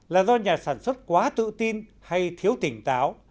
là do nhà sản xuất quá tự tin hay thiếu tỉnh táo